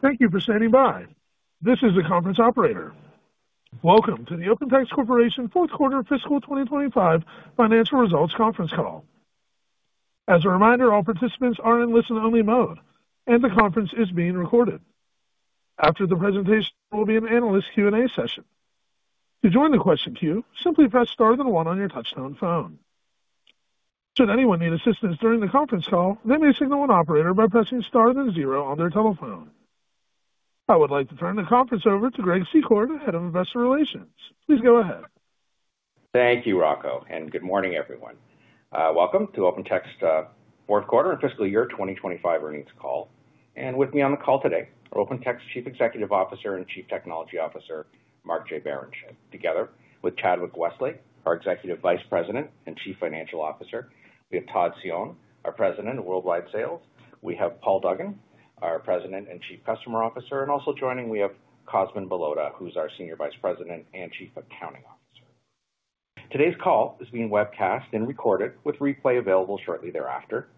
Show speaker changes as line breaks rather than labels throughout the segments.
Thank you for standing by. This is the conference operator. Welcome to the OpenText Corporation Fourth Quarter Fiscal 2025 Financial Results Conference Call. As a reminder, all participants are in listen-only mode, and the conference is being recorded. After the presentation, there will be an analyst Q&A session. To join the question queue, simply press star then one on your touch-tone phone. Should anyone need assistance during the conference call, they may signal an operator by pressing star then zero on their telephone. I would like to turn the conference over to Greg Secord, Head of Investor Relations. Please go ahead.
Thank you, Rocco, and good morning, everyone. Welcome to OpenText Fourth Quarter and Fiscal Year 2025 Earnings Call. With me on the call today are OpenText Chief Executive Officer and Chief Technology Officer, Mark J. Barrenechea, together with Chadwick Westlake, our Executive Vice President and Chief Financial Officer. We have Todd Cione, our President of Worldwide Sales. We have Paul Duggan, our President and Chief Customer Officer. Also joining, we have Cosmin Balota, who's our Senior Vice President and Chief Accounting Officer. Today's call is being webcast and recorded with replay available shortly thereafter.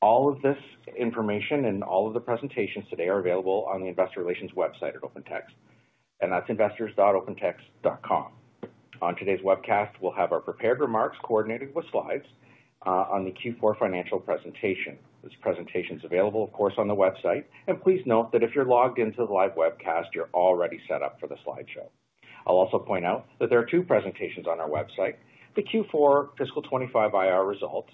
All of this information and all of the presentations today are available on the Investor Relations website at OpenText, and that's investors.opentext.com. On today's webcast, we'll have our prepared remarks coordinated with slides on the Q4 financial presentation. This presentation is available, of course, on the website. Please note that if you're logged into the live webcast, you're already set up for the slideshow. I'll also point out that there are two presentations on our website, the Q4 Fiscal 25 IR Results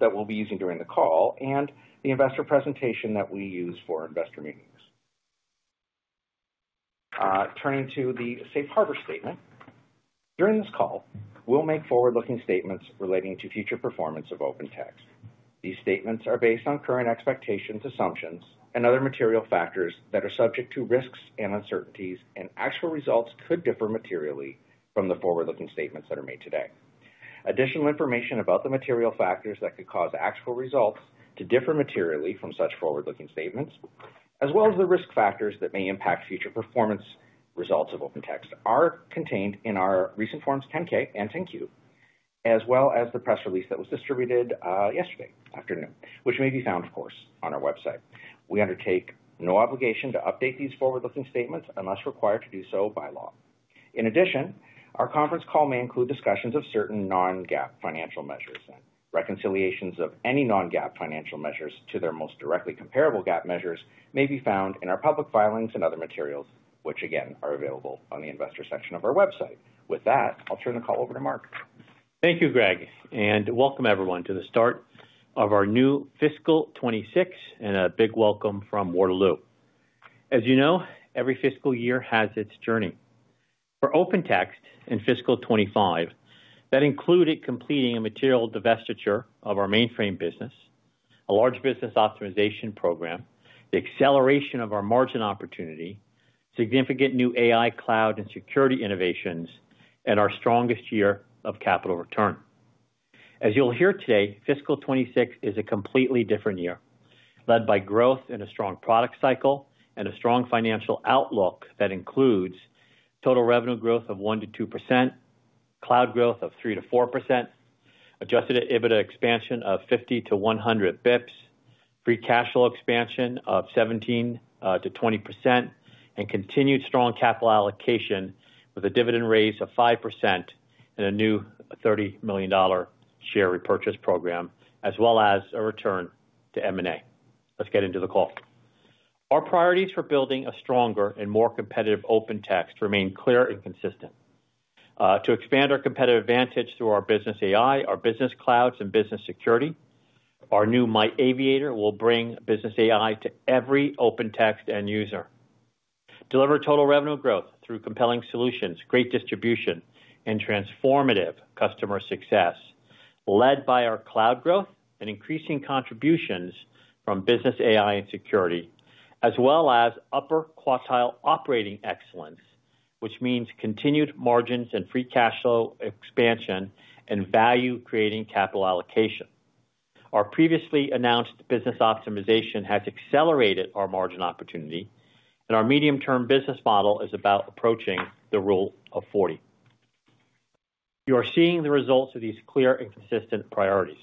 that we'll be using during the call, and the investor presentation that we use for investor meetings. Turning to the safe harbor statement. During this call, we'll make forward-looking statements relating to future performance of OpenText. These statements are based on current expectations, assumptions, and other material factors that are subject to risks and uncertainties, and actual results could differ materially from the forward-looking statements that are made today. Additional information about the material factors that could cause actual results to differ materially from such forward-looking statements, as well as the risk factors that may impact future performance results of OpenText, are contained in our recent Forms 10-K and 10-Q, as well as the press release that was distributed yesterday afternoon, which may be found, of course, on our website. We undertake no obligation to update these forward-looking statements unless required to do so by law. In addition, our conference call may include discussions of certain non-GAAP financial measures, and reconciliations of any non-GAAP financial measures to their most directly comparable GAAP measures may be found in our public filings and other materials, which again are available on the investor section of our website. With that, I'll turn the call over to Mark.
Thank you, Greg, and welcome everyone to the start of our new fiscal 2026, and a big welcome from Waterloo. As you know, every fiscal year has its journey. For OpenText in fiscal 2025, that included completing a material divestiture of our mainframe business, a large business optimization program, the acceleration of our margin opportunity, significant new AI cloud and security innovations, and our strongest year of capital return. As you'll hear today, fiscal 2026 is a completely different year, led by growth in a strong product cycle and a strong financial outlook that includes total revenue growth of 1%-2%, cloud growth of 3%-4%, adjusted EBITDA expansion of 50-100 basis points, free cash flow expansion of 17%-20%, and continued strong capital allocation with a dividend raise of 5% and a new $30 million share repurchase program, as well as a return to M&A. Let's get into the call. Our priorities for building a stronger and more competitive OpenText remain clear and consistent. To expand our competitive advantage through our business AI, our business clouds, and business security, our new MyAviator will bring business AI to every OpenText end user. Deliver total revenue growth through compelling solutions, great distribution, and transformative customer success, led by our cloud growth and increasing contributions from business AI and security, as well as upper quartile operating excellence, which means continued margins and free cash flow expansion and value-creating capital allocation. Our previously announced business optimization has accelerated our margin opportunity, and our medium-term business model is about approaching the rule of 40. You are seeing the results of these clear and consistent priorities.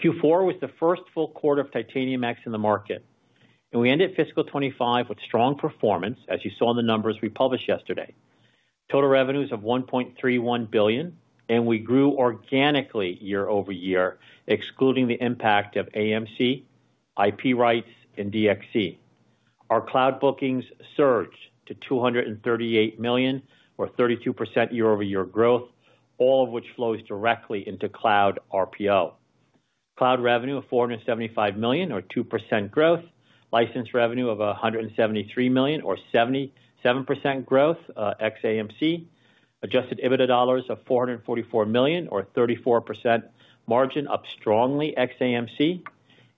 Q4 was the first full quarter of Titanium X in the market, and we ended fiscal 2025 with strong performance, as you saw in the numbers we published yesterday. Total revenues of $1.31 billion, and we grew organically year-over-year, excluding the impact of AMC, IP rights, and DXC. Our cloud bookings surged to $238 million, or 32% year-over-year growth, all of which flows directly into cloud RPO. Cloud revenue of $475 million, or 2% growth. License revenue of $173 million, or 77% growth, ex-AMC. Adjusted EBITDA dollars of $444 million, or 34% margin up strongly, ex-AMC.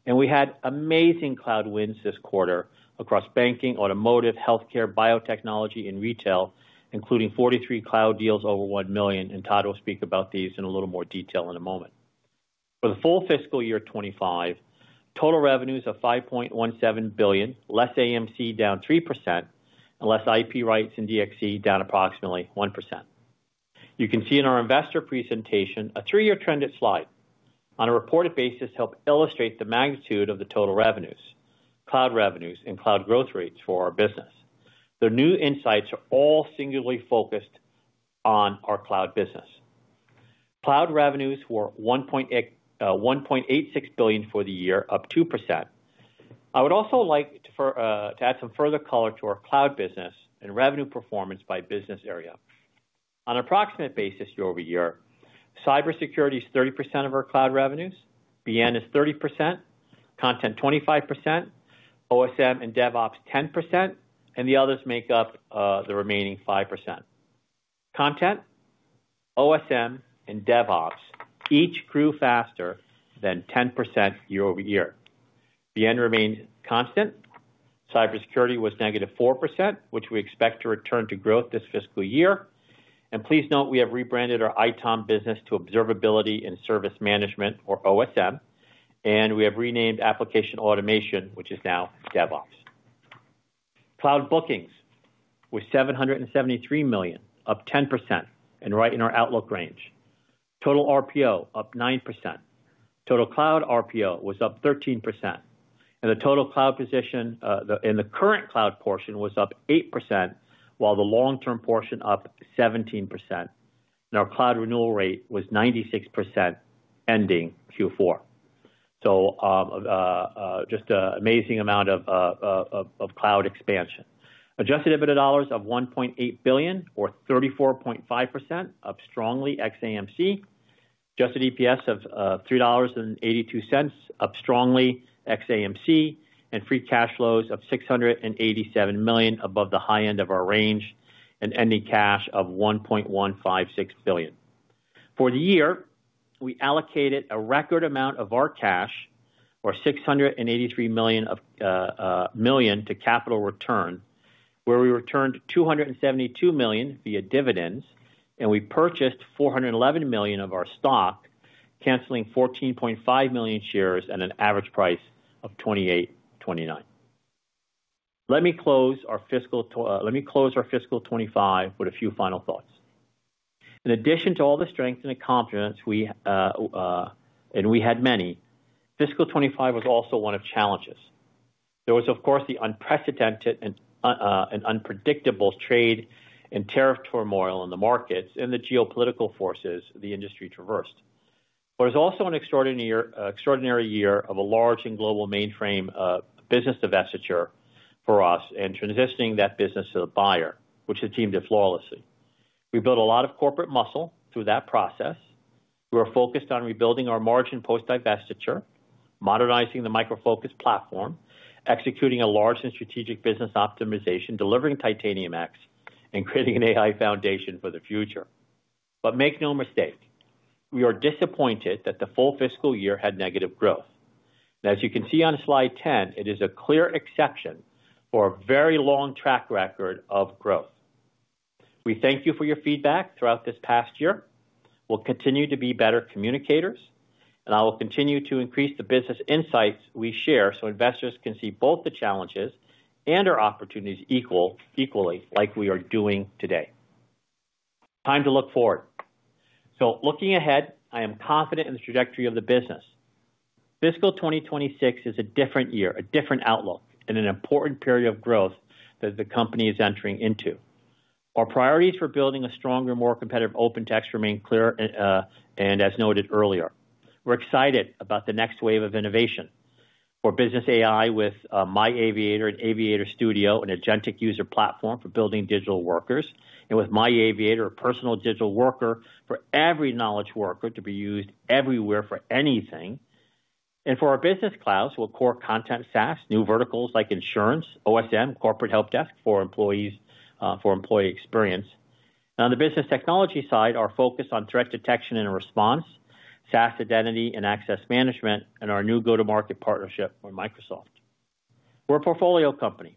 We had amazing cloud wins this quarter across banking, automotive, healthcare, biotechnology, and retail, including 43 cloud deals over $1 million. Todd will speak about these in a little more detail in a moment. For the full fiscal year 2025, total revenues of $5.17 billion, less AMC, down 3%, and less IP rights and DXC, down approximately 1%. You can see in our investor presentation a three-year trend at slide, on a reported basis to help illustrate the magnitude of the total revenues, cloud revenues, and cloud growth rates for our business. The new insights are all singularly focused on our cloud business. Cloud revenues were $1.86 billion for the year, up 2%. I would also like to add some further color to our cloud business and revenue performance by business area. On an approximate basis, year-over-year, Cybersecurity is 30% of our cloud revenues, BN is 30%, Content 25%, OSM and DevOps 10%, and the others make up the remaining 5%. Content, OSM, and DevOps each grew faster than 10% year-over-year. BN remains constant. Cybersecurity was -4%, which we expect to return to growth this fiscal year. Please note we have rebranded our ITOM business to Observability and Service Management, or OSM, and we have renamed Application Automation, which is now DevOps. Cloud bookings were $773 million, up 10% and right in our outlook range. Total RPO up 9%. Total cloud RPO was up 13%. The total cloud position in the current cloud portion was up 8%, while the long-term portion up 17%. Our cloud renewal rate was 96% ending Q4. Just an amazing amount of cloud expansion. Adjusted EBITDA dollars of $1.8 billion, or 34.5%, up strongly, ex-AMC. Adjusted EPS of $3.82, up strongly, ex-AMC, and free cash flows of $687 million above the high end of our range, and ending cash of $1.156 billion. For the year, we allocated a record amount of our cash, or $683 million to capital return, where we returned $272 million via dividends, and we purchased $411 million of our stock, canceling 14.5 million shares at an average price of $28.29. Let me close our fiscal 2025 with a few final thoughts. In addition to all the strength and accomplishments, and we had many, fiscal 2025 was also one of challenges. There was, of course, the unprecedented and unpredictable trade and territorial in the markets and the geopolitical forces the industry traversed. It was also an extraordinary year of a large and global mainframe business divestiture for us and transitioning that business to the buyer, which has teamed it flawlessly. We built a lot of corporate muscle through that process. We were focused on rebuilding our margin post-divestiture, modernizing the Micro Focus platform, executing a large and strategic business optimization, delivering Titanium X, and creating an AI foundation for the future. Make no mistake, we are disappointed that the full fiscal year had negative growth. As you can see on slide 10, it is a clear exception for a very long track record of growth. We thank you for your feedback throughout this past year. We'll continue to be better communicators, and I will continue to increase the business insights we share so investors can see both the challenges and our opportunities equally, like we are doing today. Time to look forward. Looking ahead, I am confident in the trajectory of the business. Fiscal 2026 is a different year, a different outlook, and an important period of growth that the company is entering into. Our priorities for building a stronger, more competitive OpenText remain clear, and as noted earlier, we're excited about the next wave of innovation. For business AI, with MyAviator and Aviator Studio, an agentic user platform for building digital workers, and with MyAviator, a personal digital worker for every knowledge worker to be used everywhere for anything. For our business clouds, we'll core content SaaS, new verticals like insurance, OSM and corporate help desk for employee experience. On the business technology side, our focus is on threat detection and response, SaaS identity and access management, and our new go-to-market partnership with Microsoft. We're a portfolio company,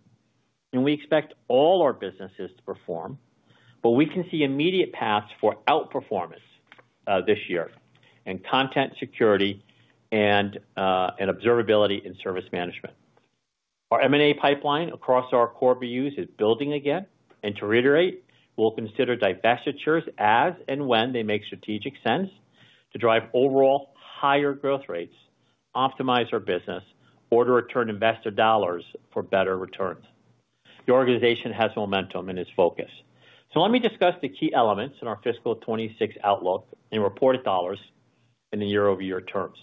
and we expect all our businesses to perform. We can see immediate paths for outperformance this year in content security and observability and service management. Our M&A pipeline across our core BUs is building again. To reiterate, we'll consider divestitures as and when they make strategic sense to drive overall higher growth rates, optimize our business, or to return investor dollars for better returns. The organization has momentum in its focus. Let me discuss the key elements in our fiscal 2026 outlook and reported dollars in the year-over-year terms.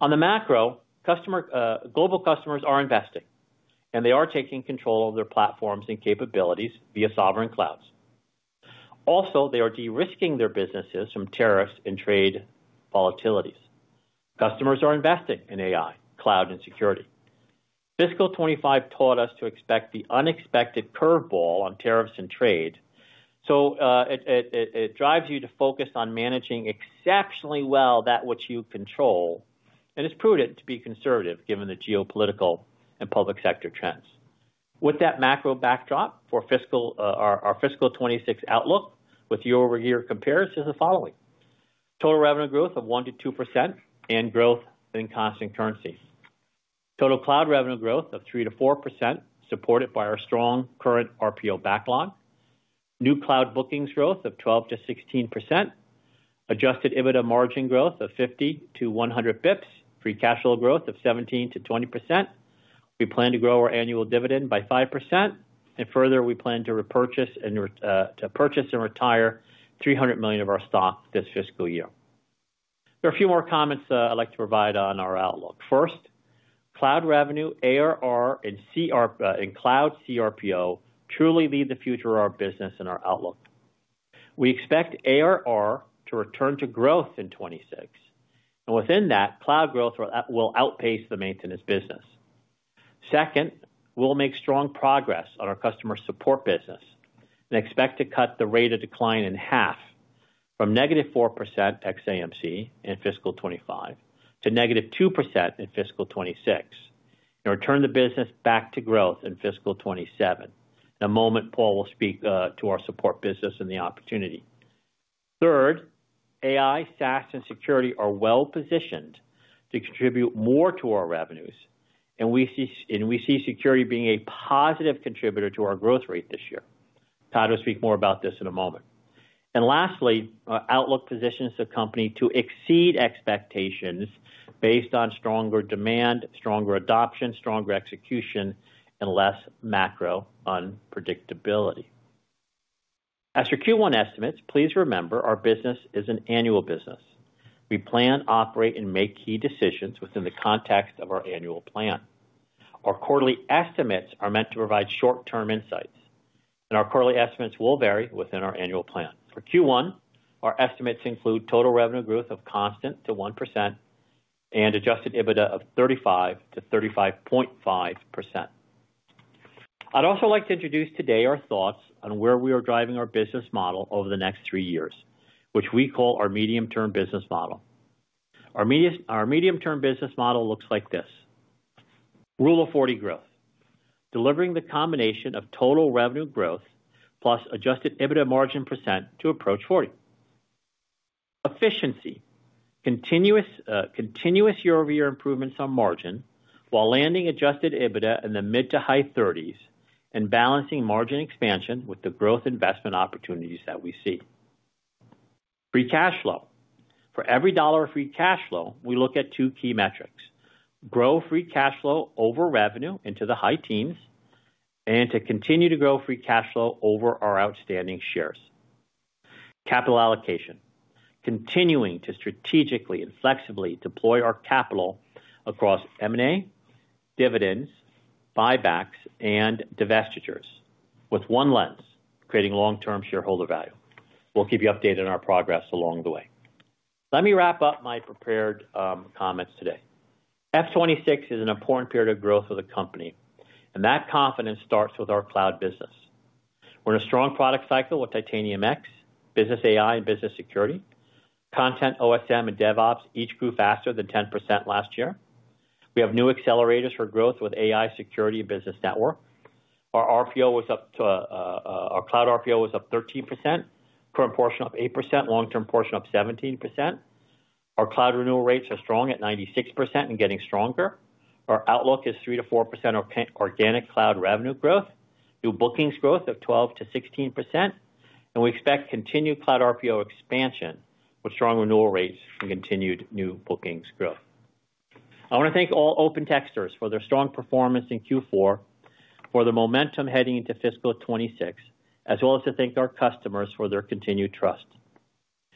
On the macro, global customers are investing, and they are taking control of their platforms and capabilities via sovereign clouds. They are also de-risking their businesses from tariffs and trade volatilities. Customers are investing in AI, cloud, and security. Fiscal 2025 taught us to expect the unexpected curveball on tariffs and trade. It drives you to focus on managing exceptionally well that which you control, and it's prudent to be conservative given the geopolitical and public sector trends. With that macro backdrop, our fiscal 2026 outlook with year-over-year compares to the following: total revenue growth of 1%-2% and growth in constant currency. Total cloud revenue growth of 3%-4% supported by our strong current RPO backlog. New cloud bookings growth of 12%-16%. Adjusted EBITDA margin growth of 50-100 basis points. Free cash flow growth of 17%-20%. We plan to grow our annual dividend by 5%, and further, we plan to repurchase and to purchase and retire $300 million of our stock this fiscal year. There are a few more comments I'd like to provide on our outlook. First, cloud revenue, ARR, and cloud CRPO truly lead the future of our business and our outlook. We expect ARR to return to growth in 2026, and within that, cloud growth will outpace the maintenance business. Second, we'll make strong progress on our customer support business and expect to cut the rate of decline in half from -4% ex-AMC in fiscal 2025 to -2% in fiscal 2026, and return the business back to growth in fiscal 2027, the moment Paul will speak to our support business and the opportunity. Third, AI, SaaS, and security are well positioned to contribute more to our revenues, and we see security being a positive contributor to our growth rate this year. Todd will speak more about this in a moment. Lastly, our outlook positions the company to exceed expectations based on stronger demand, stronger adoption, stronger execution, and less macro unpredictability. As for Q1 estimates, please remember our business is an annual business. We plan, operate, and make key decisions within the context of our annual plan. Our quarterly estimates are meant to provide short-term insights, and our quarterly estimates will vary within our annual plan. For Q1, our estimates include total revenue growth of constant to 1% and adjusted EBITDA of 35%-35.5%. I'd also like to introduce today our thoughts on where we are driving our business model over the next three years, which we call our medium-term business model. Our medium-term business model looks like this: Rule of 40 growth, delivering the combination of total revenue growth plus adjusted EBITDA margin percent to approach 40. Efficiency, continuous year-over-year improvements on margin while landing adjusted EBITDA in the mid to high 30s and balancing margin expansion with the growth investment opportunities that we see. Free cash flow, for every dollar of free cash flow, we look at two key metrics: grow free cash flow over revenue into the high teens and to continue to grow free cash flow over our outstanding shares. Capital allocation, continuing to strategically and flexibly deploy our capital across M&A, dividends, buybacks, and divestitures with one lens, creating long-term shareholder value. We'll keep you updated on our progress along the way. Let me wrap up my prepared comments today. Fiscal 2026 is an important period of growth for the company, and that confidence starts with our cloud business. We're in a strong product cycle with Titanium X, business AI, and business security. Content, OSM, and DevOps each grew faster than 10% last year. We have new accelerators for growth with AI security and business network. Our RPO was up to, our cloud RPO was up 13%, current portion of 8%, long-term portion of 17%. Our cloud renewal rates are strong at 96% and getting stronger. Our outlook is 3%-4% organic cloud revenue growth, new bookings growth of 12%-16%, and we expect continued cloud RPO expansion with strong renewal rates and continued new bookings growth. I want to thank all OpenTexters for their strong performance in Q4, for the momentum heading into fiscal 2026, as well as to thank our customers for their continued trust.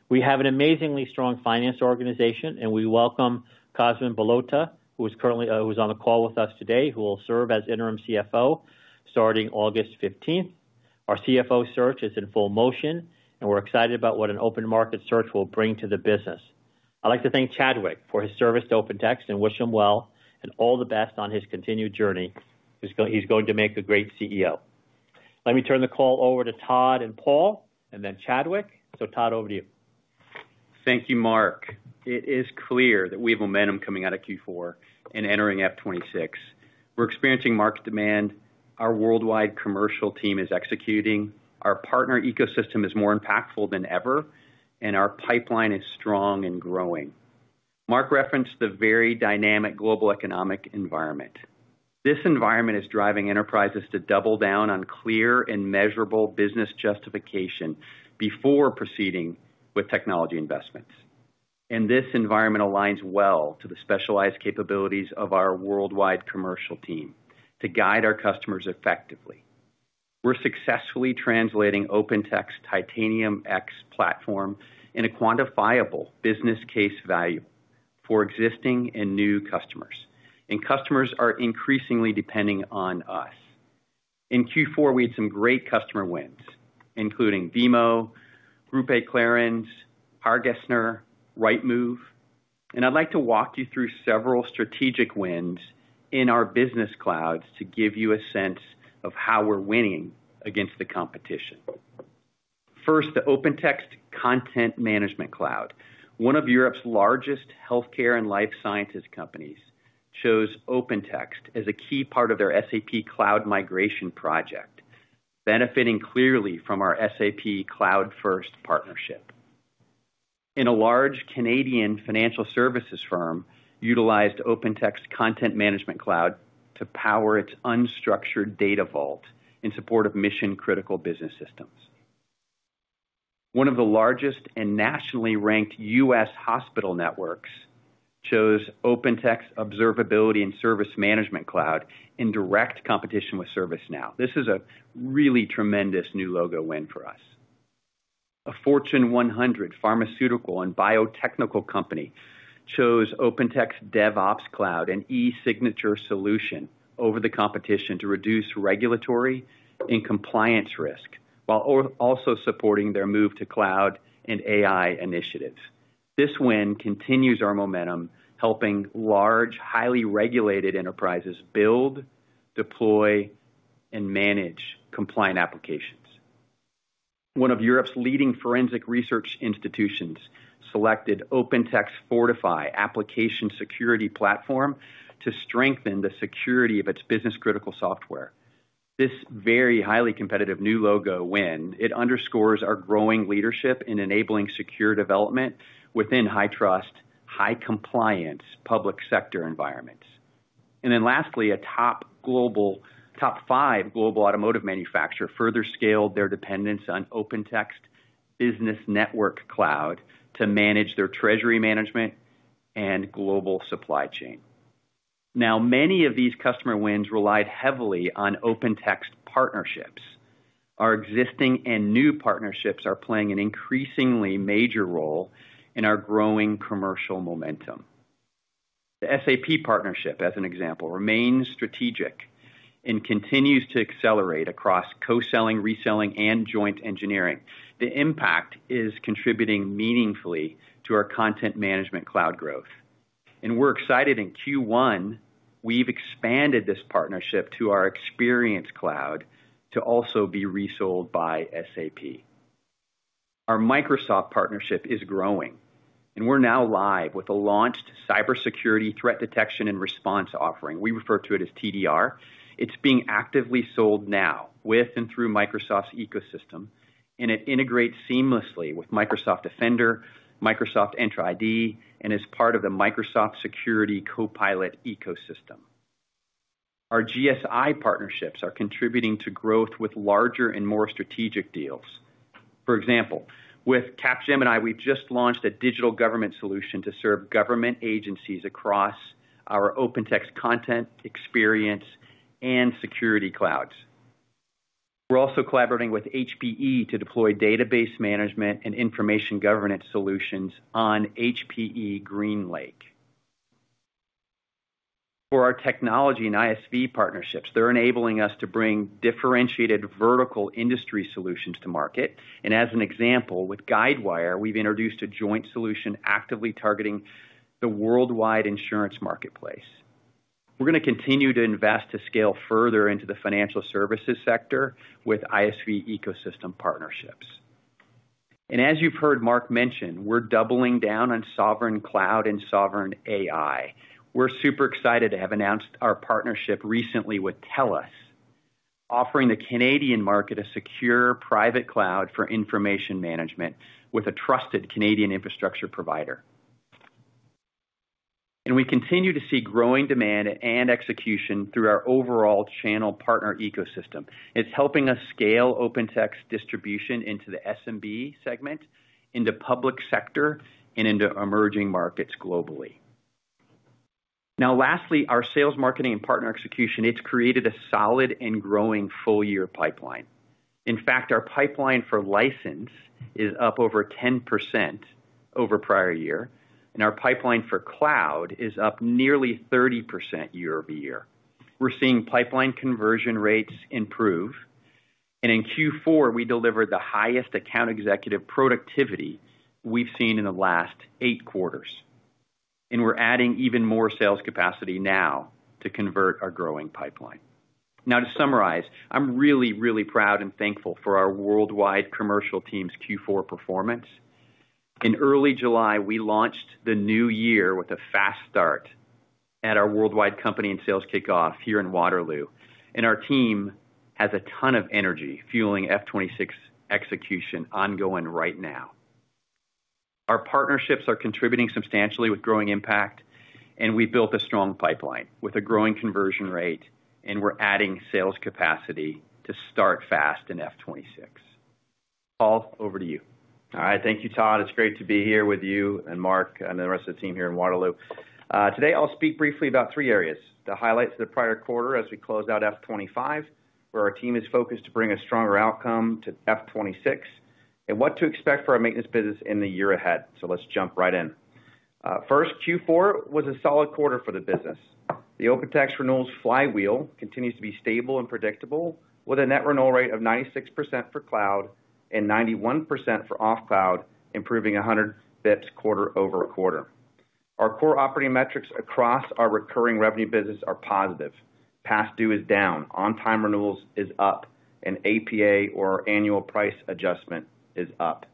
We have an amazingly strong finance organization, and we welcome Cosmin Balota, who is currently, who's on the call with us today, who will serve as interim CFO starting August 15th. Our CFO search is in full motion, and we're excited about what an open market search will bring to the business. I'd like to thank Chadwick for his service to OpenText and wish him well and all the best on his continued journey. He's going to make a great CEO. Let me turn the call over to Todd and Paul, and then Chadwick. Todd, over to you.
Thank you, Mark. It is clear that we have momentum coming out of Q4 and entering fiscal 2026. We're experiencing Mark's demand. Our worldwide commercial team is executing. Our partner ecosystem is more impactful than ever, and our pipeline is strong and growing. Mark referenced the very dynamic global economic environment. This environment is driving enterprises to double down on clear and measurable business justification before proceeding with technology investments. This environment aligns well to the specialized capabilities of our worldwide commercial team to guide our customers effectively. We're successfully translating OpenText's Titanium X platform in a quantifiable business case value for existing and new customers, and customers are increasingly depending on us. In Q4, we had some great customer wins, including BMO, Clarins Group, HARGASSNER, Rightmove, and I'd like to walk you through several strategic wins in our business clouds to give you a sense of how we're winning against the competition. First, the OpenText Content Management Cloud. One of Europe's largest healthcare and life sciences companies chose OpenText as a key part of their SAP cloud migration project, benefiting clearly from our SAP cloud-first partnership. A large Canadian financial services firm utilized OpenText's Content Management Cloud to power its unstructured data vault in support of mission-critical business systems. One of the largest and nationally ranked U.S. hospital networks chose OpenText Observability and Service Management (OSM) in direct competition with ServiceNow. This is a really tremendous new logo win for us. A Fortune 100 pharmaceutical and biotechnical company chose OpenText DevOps Cloud and e-signature solution over the competition to reduce regulatory and compliance risk, while also supporting their move to cloud and AI initiatives. This win continues our momentum, helping large, highly regulated enterprises build, deploy, and manage compliant applications. One of Europe's leading forensic research institutions selected OpenText's Fortify application security platform to strengthen the security of its business-critical software. This very highly competitive new logo win underscores our growing leadership in enabling secure development within high trust, high compliance public sector environments. Lastly, a top five global automotive manufacturer further scaled their dependence on OpenText Business Network Cloud to manage their treasury management and global supply chain. Many of these customer wins relied heavily on OpenText partnerships. Our existing and new partnerships are playing an increasingly major role in our growing commercial momentum. The SAP partnership, as an example, remains strategic and continues to accelerate across co-selling, reselling, and joint engineering. The impact is contributing meaningfully to our content management cloud growth. We're excited in Q1, we've expanded this partnership to our Experience Cloud to also be resold by SAP. Our Microsoft partnership is growing, and we're now live with a launched cybersecurity threat detection and response offering. We refer to it as TDR. It's being actively sold now with and through Microsoft's ecosystem, and it integrates seamlessly with Microsoft Defender, Microsoft Entra ID, and is part of the Microsoft Security Copilot ecosystem. Our GSI partnerships are contributing to growth with larger and more strategic deals. For example, with Capgemini, we've just launched a digital government solution to serve government agencies across our OpenText content, Experience, and Security clouds. We're also collaborating with HPE to deploy database management and information governance solutions on HPE GreenLake. For our technology and ISV partnerships, they're enabling us to bring differentiated vertical industry solutions to market. As an example, with Guidewire, we've introduced a joint solution actively targeting the worldwide insurance marketplace. We're going to continue to invest to scale further into the financial services sector with ISV ecosystem partnerships. As you've heard Mark mention, we're doubling down on sovereign cloud and sovereign AI. We're super excited to have announced our partnership recently with TELUS, offering the Canadian market a secure private cloud for information management with a trusted Canadian infrastructure provider. We continue to see growing demand and execution through our overall channel partner ecosystem. It's helping us scale OpenText's distribution into the SMB segment, into public sector, and into emerging markets globally. Lastly, our sales marketing and partner execution, it's created a solid and growing full-year pipeline. In fact, our pipeline for license is up over 10% over prior year, and our pipeline for cloud is up nearly 30% year-over-year. We're seeing pipeline conversion rates improve, and in Q4, we delivered the highest account executive productivity we've seen in the last eight quarters. We're adding even more sales capacity now to convert our growing pipeline. Now, to summarize, I'm really, really proud and thankful for our worldwide commercial team's Q4 performance. In early July, we launched the new year with a fast start at our worldwide company and sales kickoff here in Waterloo. Our team has a ton of energy fueling fiscal 2026 execution ongoing right now. Our partnerships are contributing substantially with growing impact, and we built a strong pipeline with a growing conversion rate, and we're adding sales capacity to start fast in fiscal 2026. Paul, over to you.
All right, thank you, Todd. It's great to be here with you and Mark and the rest of the team here in Waterloo. Today, I'll speak briefly about three areas: the highlights of the prior quarter as we close out fiscal 2025, where our team is focused to bring a stronger outcome to fiscal 2026, and what to expect for our maintenance business in the year ahead. Let's jump right in. First, Q4 was a solid quarter for the business. The OpenText renewals flywheel continues to be stable and predictable with a net renewal rate of 96% for cloud and 91% for off-cloud, improving 100 basis points quarter-over-quarter. Our core operating metrics across our recurring revenue business are positive. Past due is down, on-time renewals is up, and APA, or our annual price adjustment, is up.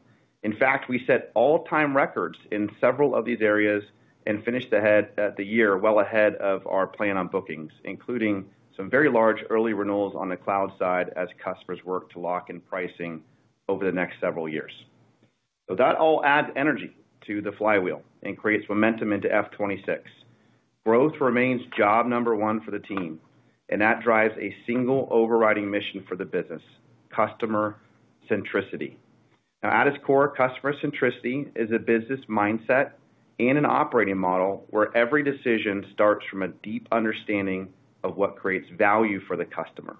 In fact, we set all-time records in several of these areas and finished the year well ahead of our plan on bookings, including some very large early renewals on the cloud side as customers work to lock in pricing over the next several years. That all adds energy to the flywheel and creates momentum into fiscal 2026. Growth remains job number one for the team, and that drives a single overriding mission for the business: customer centricity. At its core, customer centricity is a business mindset and an operating model where every decision starts from a deep understanding of what creates value for the customer.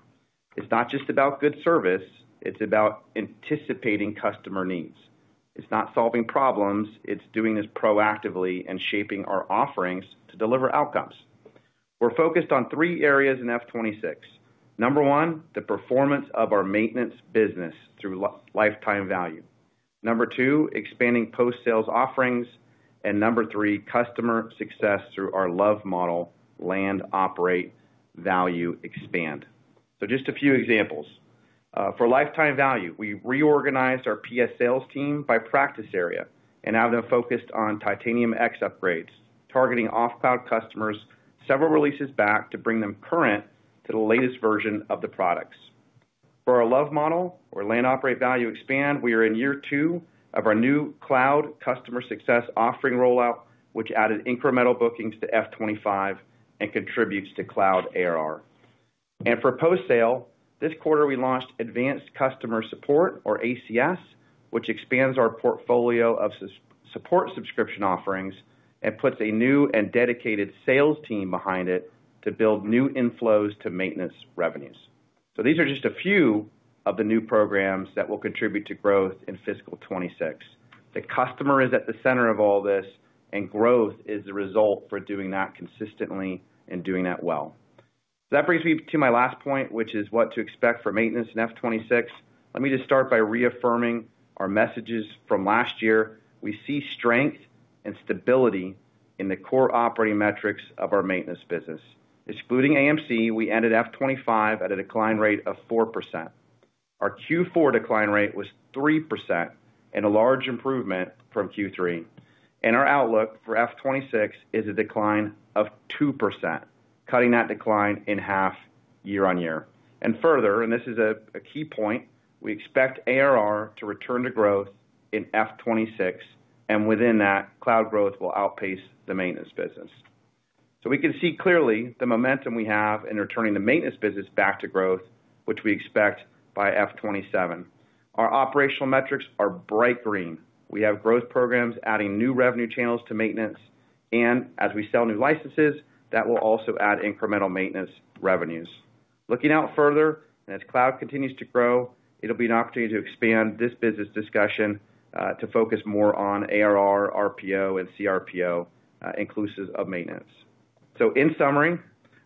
It's not just about good service; it's about anticipating customer needs. It's not solving problems; it's doing this proactively and shaping our offerings to deliver outcomes. We're focused on three areas in fiscal 2026. Number one, the performance of our maintenance business through lifetime value. Number two, expanding post-sales offerings. Number three, customer success through our love model, land, operate, value, expand. Just a few examples. For lifetime value, we reorganized our PS sales team by practice area and have them focused on Titanium X upgrades, targeting off-cloud customers several releases back to bring them current to the latest version of the products. For our love model, or land, operate, value, expand, we are in year two of our new cloud customer success offering rollout, which added incremental bookings to fiscal 2025 and contributes to cloud ARR. For post-sale, this quarter we launched advanced customer support, or ACS, which expands our portfolio of support subscription offerings and puts a new and dedicated sales team behind it to build new inflows to maintenance revenues. These are just a few of the new programs that will contribute to growth in fiscal 2026. The customer is at the center of all this, and growth is the result for doing that consistently and doing that well. That brings me to my last point, which is what to expect for maintenance in fiscal 2026. Let me just start by reaffirming our messages from last year. We see strength and stability in the core operating metrics of our maintenance business. Excluding AMC, we ended fiscal 2025 at a decline rate of 4%. Our Q4 decline rate was 3%, a large improvement from Q3. Our outlook for fiscal 2026 is a decline of 2%, cutting that decline in half year on year. Further, and this is a key point, we expect ARR to return to growth in fiscal 2026, and within that, cloud growth will outpace the maintenance business. We can see clearly the momentum we have in returning the maintenance business back to growth, which we expect by fiscal 2027. Our operational metrics are bright green. We have growth programs adding new revenue channels to maintenance, and as we sell new licenses, that will also add incremental maintenance revenues. Looking out further, as cloud continues to grow, it'll be an opportunity to expand this business discussion to focus more on ARR, RPO, and CRPO, inclusive of maintenance. In summary,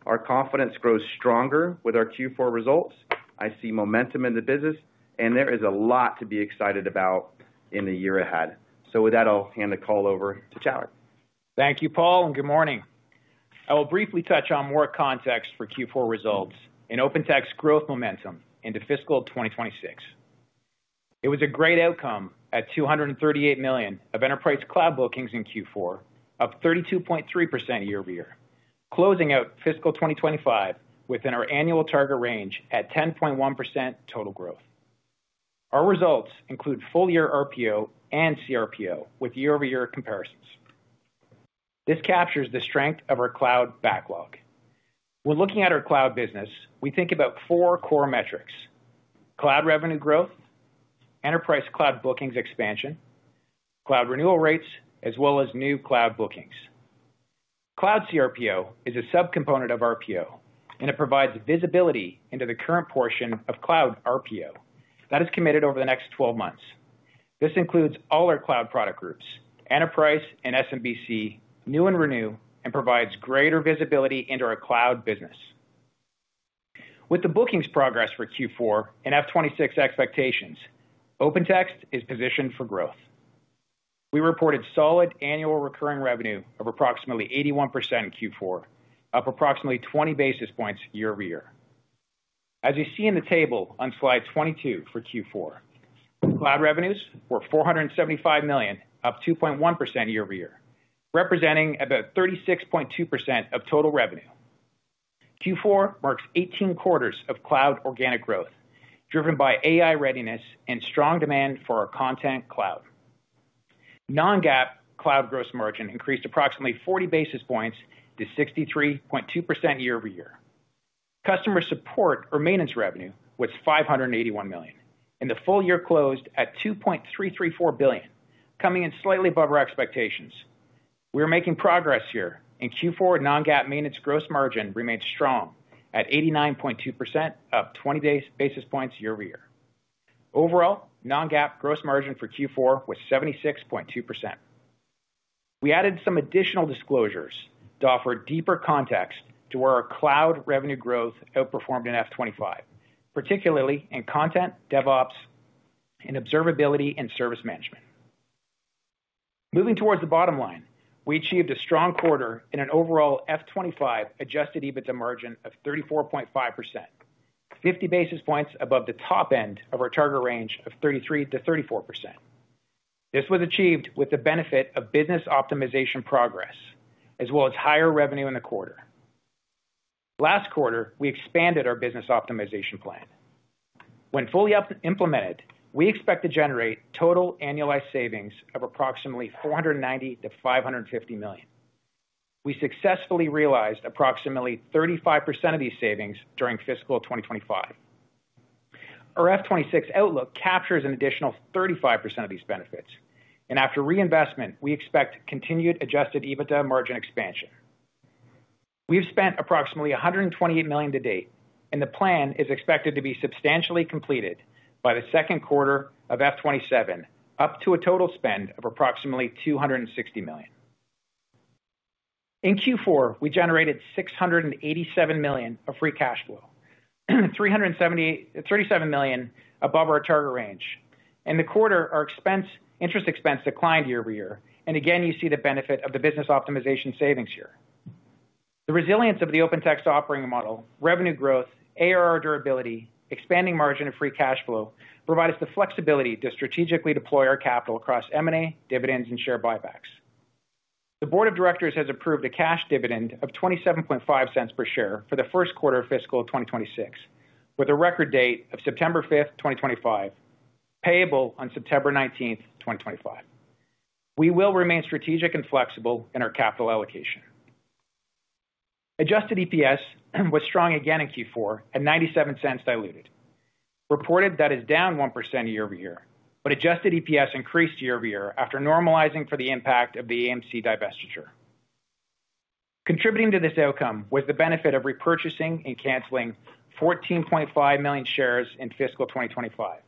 our confidence grows stronger with our Q4 results. I see momentum in the business, and there is a lot to be excited about in the year ahead. With that, I'll hand the call over to Chad.
Thank you, Paul, and good morning. I will briefly touch on more context for Q4 results and OpenText's growth momentum into fiscal 2026. It was a great outcome at $238 million of enterprise cloud bookings in Q4, up 32.3% year-over-year, closing out fiscal 2025 within our annual target range at 10.1% total growth. Our results include full-year RPO and CRPO with year-over-year comparisons. This captures the strength of our cloud backlog. When looking at our cloud business, we think about four core metrics: cloud revenue growth, enterprise cloud bookings expansion, cloud renewal rates, as well as new cloud bookings. Cloud CRPO is a subcomponent of RPO, and it provides visibility into the current portion of cloud RPO that is committed over the next 12 months. This includes all our cloud product groups, enterprise and SMBC, new and renew, and provides greater visibility into our cloud business. With the bookings progress for Q4 and fiscal 2026 expectations, OpenText is positioned for growth. We reported solid annual recurring revenue of approximately 81% in Q4, up approximately 20 basis points year-over-year. As you see in the table on slide 22 for Q4, cloud revenues were $475 million, up 2.1% year-over-year, representing about 36.2% of total revenue. Q4 marks 18 quarters of cloud organic growth, driven by AI readiness and strong demand for our Content Cloud. Non-GAAP cloud gross margin increased approximately 40 basis points to 63.2% year-over-year. Customer support or maintenance revenue was $581 million, and the full year closed at $2.334 billion, coming in slightly above our expectations. We are making progress here, and Q4 non-GAAP maintenance gross margin remains strong at 89.2%, up 20 basis points year-over-year. Overall, non-GAAP gross margin for Q4 was 76.2%. We added some additional disclosures to offer deeper context to where our cloud revenue growth outperformed in fiscal 2025, particularly in content, DevOps, and Observability and Service Management. Moving towards the bottom line, we achieved a strong quarter in an overall fiscal 2025 adjusted EBITDA margin of 34.5%, 50 basis points above the top end of our target range of 33 to 34%. This was achieved with the benefit of business optimization progress, as well as higher revenue in the quarter. Last quarter, we expanded our business optimization plan. When fully implemented, we expect to generate total annualized savings of approximately $490 million-$550 million. We successfully realized approximately 35% of these savings during fiscal 2025. Our fiscal 2026 outlook captures an additional 35% of these benefits, and after reinvestment, we expect continued adjusted EBITDA margin expansion. We've spent approximately $128 million to date, and the plan is expected to be substantially completed by the second quarter of F27, up to a total spend of approximately $260 million. In Q4, we generated $687 million of free cash flow, $37 million above our target range. In the quarter, our interest expense declined year-over-year, and again, you see the benefit of the business optimization savings here. The resilience of the OpenText operating model, revenue growth, ARR durability, and expanding margin of free cash flow provide us the flexibility to strategically deploy our capital across M&A, dividends, and share buybacks. The board of directors has approved a cash dividend of $0.275 per share for the first quarter of fiscal 2026, with a record date of September 5, 2025, payable on September 19th, 2025. We will remain strategic and flexible in our capital allocation. Adjusted EPS was strong again in Q4 at $0.97 diluted. Reported that it's down 1% year-over-year, but adjusted EPS increased year-over-year after normalizing for the impact of the AMC divestiture. Contributing to this outcome was the benefit of repurchasing and canceling 14.5 million shares in fiscal 2025.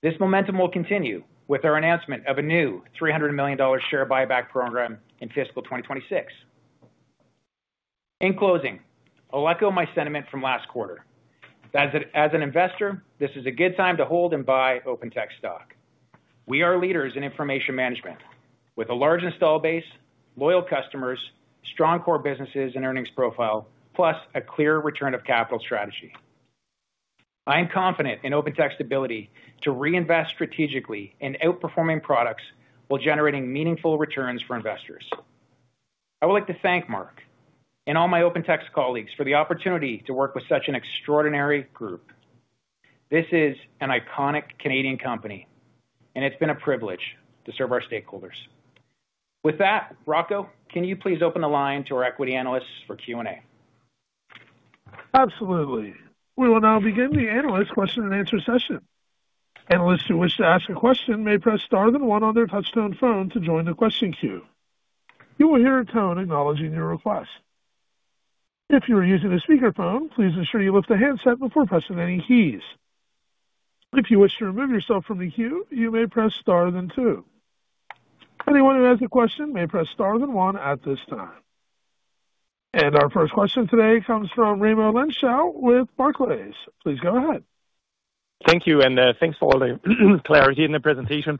This momentum will continue with our announcement of a new $300 million share buyback program in fiscal 2026. In closing, I'll echo my sentiment from last quarter. As an investor, this is a good time to hold and buy OpenText stock. We are leaders in information management with a large install base, loyal customers, strong core businesses and earnings profile, plus a clear return of capital strategy. I am confident in OpenText's ability to reinvest strategically in outperforming products while generating meaningful returns for investors. I would like to thank Mark and all my OpenText colleagues for the opportunity to work with such an extraordinary group. This is an iconic Canadian company, and it's been a privilege to serve our stakeholders. With that, Rocco, can you please open the line to our equity analysts for Q&A?
Absolutely. We will now begin the analyst question and answer session. Analysts who wish to ask a question may press star then one on their touch-tone phone to join the question queue. You will hear a tone acknowledging your request. If you are using a speakerphone, please ensure you lift a handset before pressing any keys. If you wish to remove yourself from the queue, you may press star then two. Anyone who has a question may press star then one at this time. Our first question today comes from Raimo Lenschow with Barclays. Please go ahead.
Thank you, and thanks for all the clarity in the presentation.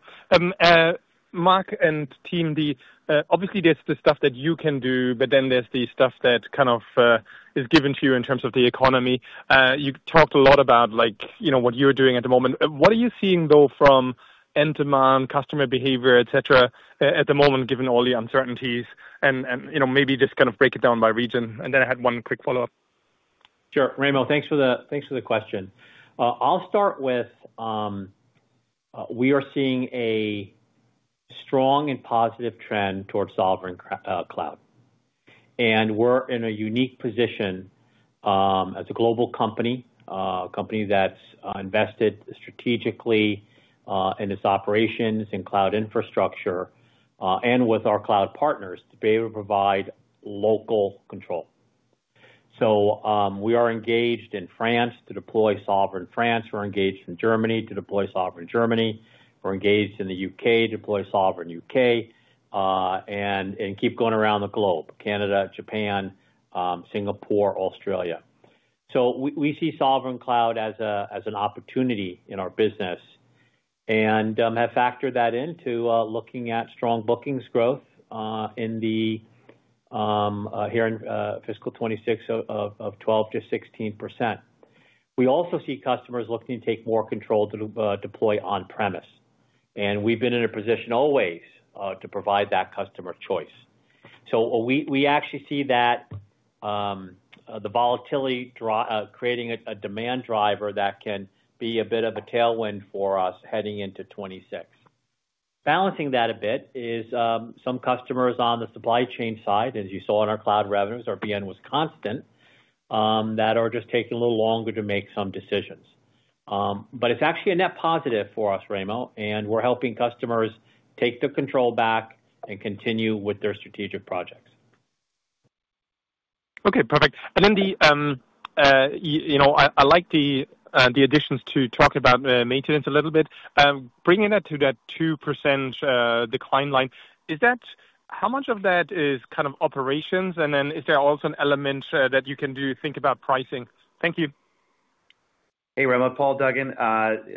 Mark and team, obviously there's the stuff that you can do, but then there's the stuff that kind of is given to you in terms of the economy. You talked a lot about, like, you know, what you're doing at the moment. What are you seeing, though, from end demand, customer behavior, etc., at the moment, given all the uncertainties? Maybe just kind of break it down by region. I had one quick follow-up.
Sure. Raimo, thanks for the question. I'll start with, we are seeing a strong and positive trend towards sovereign cloud. We are in a unique position as a global company, a company that's invested strategically in its operations and cloud infrastructure, and with our cloud partners to be able to provide local control. We are engaged in France to deploy sovereign France. We're engaged in Germany to deploy sovereign Germany. We're engaged in the U.K. to deploy sovereign U.K., and keep going around the globe: Canada, Japan, Singapore, Australia. We see sovereign cloud as an opportunity in our business and have factored that into looking at strong bookings growth here in fiscal 2026, of 12%-16%. We also see customers looking to take more control to deploy on-premise. We've been in a position always to provide that customer choice. We actually see that the volatility creating a demand driver that can be a bit of a tailwind for us heading into 2026. Balancing that a bit is some customers on the supply chain side, as you saw in our cloud revenues, our Business Network was constant, that are just taking a little longer to make some decisions. It's actually a net positive for us, Raimo, and we're helping customers take their control back and continue with their strategic projects.
Okay, perfect. I like the additions to talking about maintenance a little bit. Bringing that to that 2% decline line, is that how much of that is kind of operations? Is there also an element that you can do think about pricing? Thank you.
Hey, Raimo, Paul Duggan.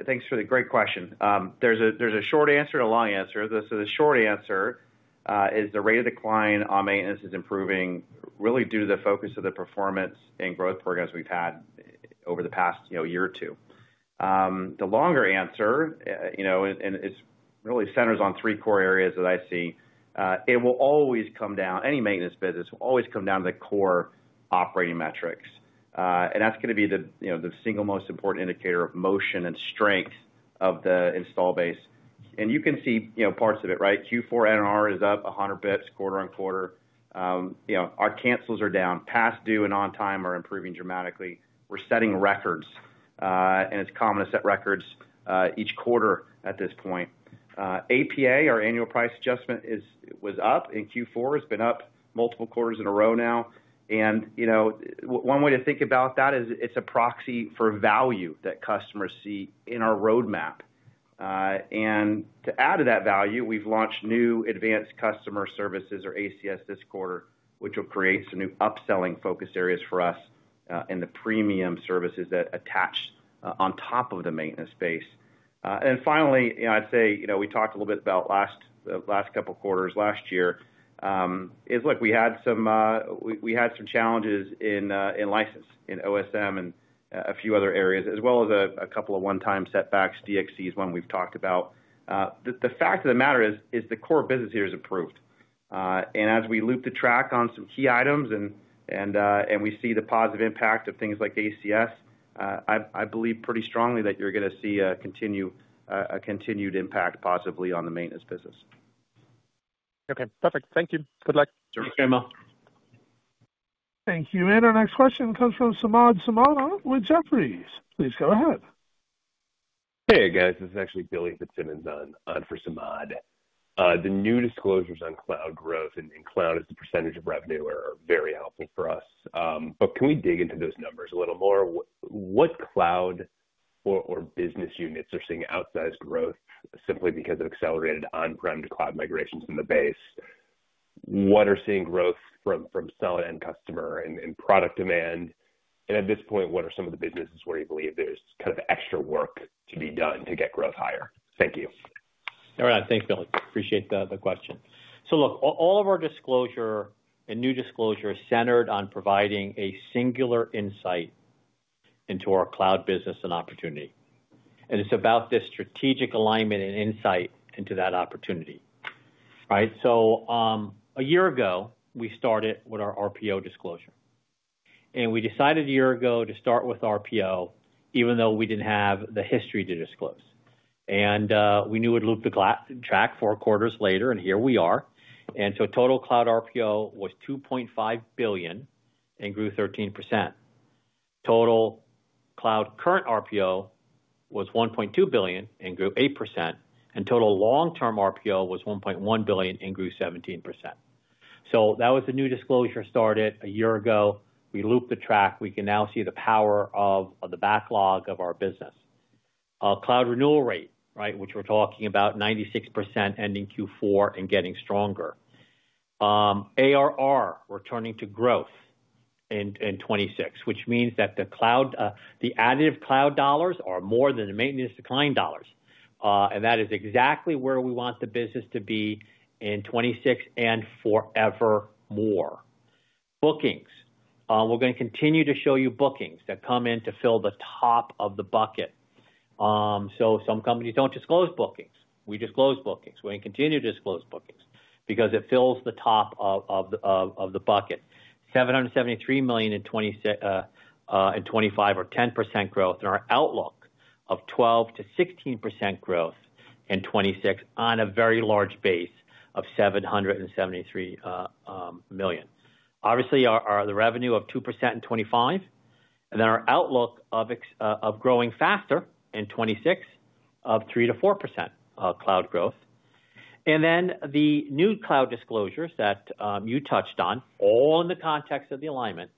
Thanks for the great question. There's a short answer and a long answer. The short answer is the rate of decline on maintenance is improving really due to the focus of the performance and growth programs we've had over the past year or two. The longer answer, you know, it really centers on three core areas that I see. It will always come down, any maintenance business will always come down to the core operating metrics. That's going to be the single most important indicator of motion and strength of the install base. You can see, you know, parts of it, right? Q4 NR is up 100 basis points quarter on quarter. Our cancels are down. Past due and on-time are improving dramatically. We're setting records, and it's common to set records each quarter at this point. APA, our annual price adjustment, was up in Q4. It's been up multiple quarters in a row now. One way to think about that is it's a proxy for value that customers see in our roadmap. To add to that value, we've launched new Advanced Customer Services, or ACS, this quarter, which will create some new upselling focus areas for us and the premium services that attach on top of the maintenance space. Finally, I'd say, you know, we talked a little bit about the last couple of quarters last year, is look, we had some challenges in license, in OSM, and a few other areas, as well as a couple of one-time setbacks, DXCs, one we've talked about. The fact of the matter is the core business here is improved. As we loop the track on some key items and we see the positive impact of things like ACS, I believe pretty strongly that you're going to see a continued impact possibly on the maintenance business.
Okay, perfect. Thank you. Good luck.
Thank you.
Thank you. Our next question comes from Samad Samana with Jefferies. Please go ahead.
Hey guys, this is actually Billy Fitzsimmons on for Samad. The new disclosures on cloud growth and cloud as the percentage of revenue are very helpful for us. Can we dig into those numbers a little more? What cloud or business units are seeing outsized growth simply because of accelerated on-prem to cloud migrations in the base? What are seeing growth from solid end customer and product demand? At this point, what are some of the businesses where you believe there's kind of extra work to be done to get growth higher? Thank you.
All right, thanks, Billy. I appreciate the question. Look, all of our disclosure and new disclosure is centered on providing a singular insight into our cloud business and opportunity. It's about this strategic alignment and insight into that opportunity, right? A year ago, we started with our RPO disclosure. We decided a year ago to start with RPO, even though we didn't have the history to disclose. We knew it looped the track four quarters later, and here we are. Total Cloud RPO was $2.5 billion and grew 13%. Total Cloud current RPO was $1.2 billion and grew 8%. Total long-term RPO was $1.1 billion and grew 17%. That was the new disclosure started a year ago. We looped the track. We can now see the power of the backlog of our business. Cloud renewal rate, right, which we're talking about, 96% ending Q4 and getting stronger. ARR, returning to growth in 2026, which means that the cloud, the additive cloud dollars are more than the maintenance decline dollars. That is exactly where we want the business to be in 2026 and forever more. Bookings, we're going to continue to show you bookings that come in to fill the top of the bucket. Some companies don't disclose bookings. We disclose bookings. We're going to continue to disclose bookings because it fills the top of the bucket. $773 million in 2025 or 10% growth and our outlook of 12%-16% growth in 2026 on a very large base of $773 million. Obviously, the revenue of 2% in 2025 and then our outlook of growing faster in 2026 of 3% to 4% cloud growth. The new cloud disclosures that you touched on, all in the context of the alignment,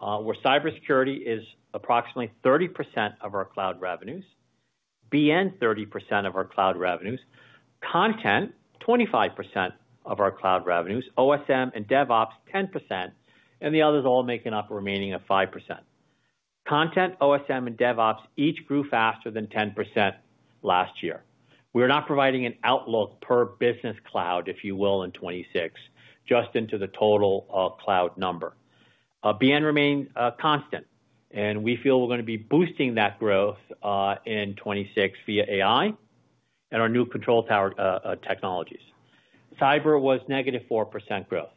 where Cybersecurity is approximately 30% of our cloud revenues, BN 30% of our cloud revenues, Content 25% of our cloud revenues, OSM and DevOps 10%, and the others all make up the remaining 5%. Content, OSM, and DevOps each grew faster than 10% last year. We're not providing an outlook per business cloud, if you will, in 2026, just into the total cloud number. BN remains constant, and we feel we're going to be boosting that growth in 2026 via AI and our new control tower technologies. Cyber was -4% growth.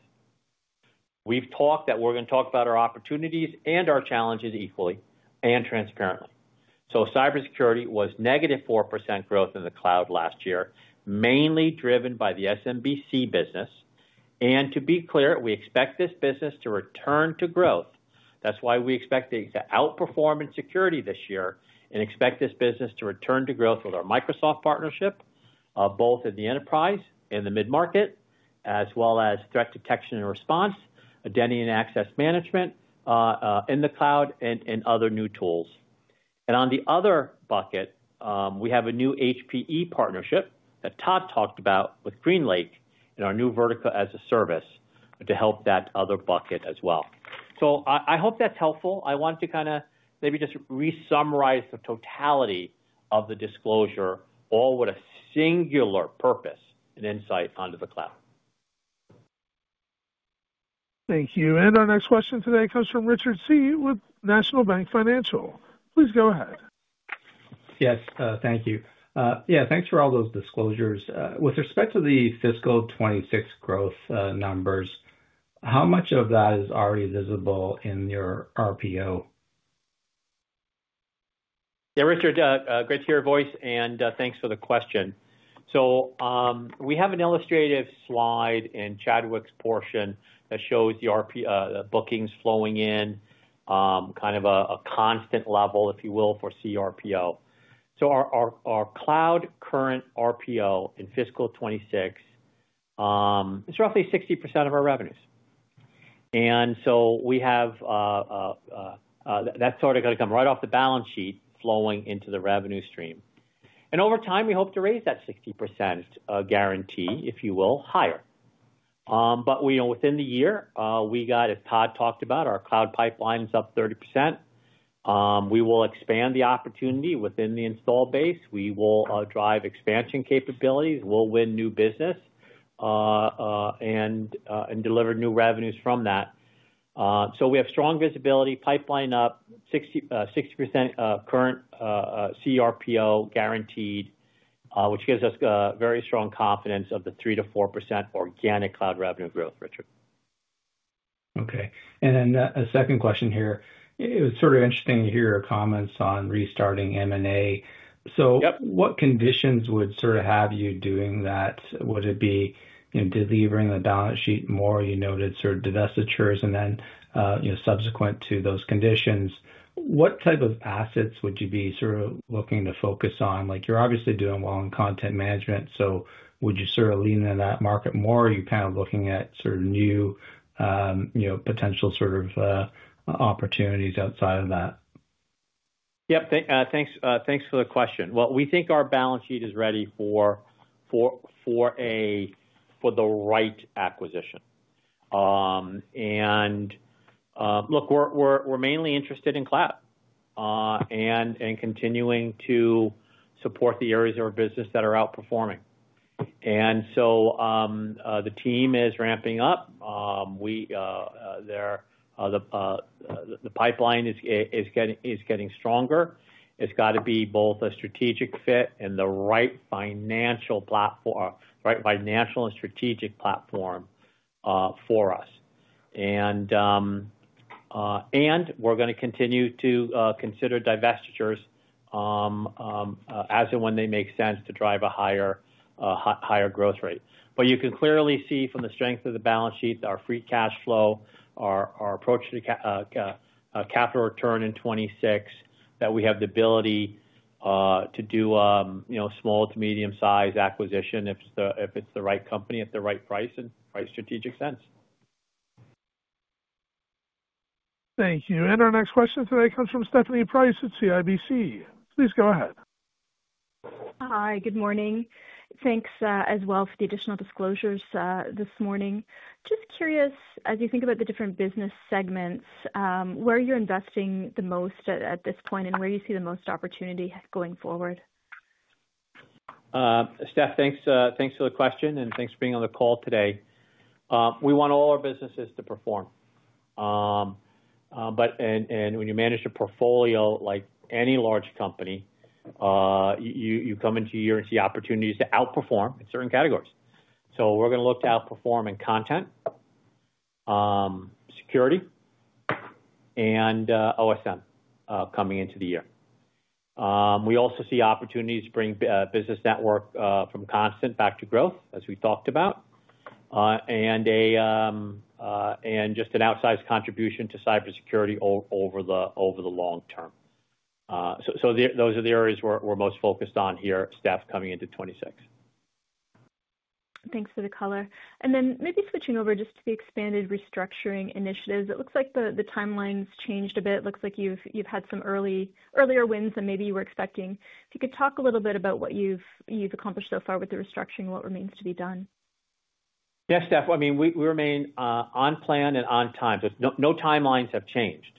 We've talked that we're going to talk about our opportunities and our challenges equally and transparently. Cybersecurity was -4% growth in the cloud last year, mainly driven by the SMBC business. To be clear, we expect this business to return to growth. That's why we expect it to outperform in security this year and expect this business to return to growth with our Microsoft partnership, both in the enterprise and the mid-market, as well as threat detection and response, identity and access management in the cloud, and other new tools. In the other bucket, we have a new HPE partnership that Todd talked about with GreenLake in our new vertical as a service to help that other bucket as well. I hope that's helpful. I wanted to maybe just resummarize the totality of the disclosure, all with a singular purpose and insight onto the cloud.
Thank you. Our next question today comes from Richard Tse with National Bank Financial. Please go ahead.
Yes, thank you. Thanks for all those disclosures. With respect to the fiscal 2026 growth numbers, how much of that is already visible in your RPO?
Yeah, Richard, great to hear your voice, and thanks for the question. We have an illustrative slide in Chadwick's portion that shows the bookings flowing in kind of a constant level, if you will, for CRPO. Our cloud current RPO in fiscal 2026 is roughly 60% of our revenues. We have that's sort of going to come right off the balance sheet flowing into the revenue stream. Over time, we hope to raise that 60% guarantee, if you will, higher. Within the year, we got, as Todd talked about, our cloud pipeline is up 30%. We will expand the opportunity within the install base. We will drive expansion capabilities. We'll win new business and deliver new revenues from that. We have strong visibility, pipeline up, 60% current CRPO guaranteed, which gives us very strong confidence of the 3%-4% organic cloud revenue growth, Richard.
Okay. A second question here. It was sort of interesting to hear your comments on restarting M&A. What conditions would sort of have you doing that? Would it be delivering the balance sheet more? You noted sort of divestitures and then subsequent to those conditions. What type of assets would you be sort of looking to focus on? Like you're obviously doing well in content management. Would you sort of lean into that market more? Are you kind of looking at sort of new potential sort of opportunities outside of that?
Thanks for the question. We think our balance sheet is ready for the right acquisition. Look, we're mainly interested in cloud and continuing to support the areas of our business that are outperforming. The team is ramping up. The pipeline is getting stronger. It's got to be both a strategic fit and the right financial and strategic platform for us. We're going to continue to consider divestitures as and when they make sense to drive a higher growth rate. You can clearly see from the strength of the balance sheet, our free cash flow, our approach to capital return in 2026, that we have the ability to do a small to medium size acquisition if it's the right company at the right price and right strategic sense.
Thank you. Our next question today comes from Stephanie Price at CIBC. Please go ahead.
Hi, good morning. Thanks as well for the additional disclosures this morning. Just curious, as you think about the different business segments, where are you investing the most at this point, and where do you see the most opportunity going forward?
Steph, thanks for the question and thanks for being on the call today. We want all our businesses to perform. When you manage a portfolio like any large company, you come into the year and see opportunities to outperform in certain categories. We are going to look to outperform in content, security, and OSM coming into the year. We also see opportunities to bring business network from constant back to growth, as we talked about, and just an outsized contribution to cybersecurity over the long term. Those are the areas we're most focused on here, Steph, coming into 2026.
Thanks for the color. Maybe switching over just to the expanded restructuring initiatives, it looks like the timeline's changed a bit. It looks like you've had some earlier wins than maybe you were expecting. If you could talk a little bit about what you've accomplished so far with the restructuring and what remains to be done.
Yes, Steph. I mean, we remain on plan and on time. No timelines have changed.